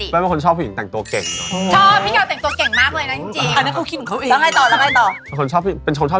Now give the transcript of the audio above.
ไม่รูปช่างผมปกติเขาทำเป็นอยู่แล้ว